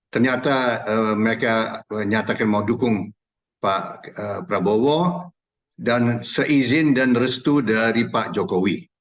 ternyata mereka menyatakan mau dukung pak prabowo dan seizin dan restu dari pak jokowi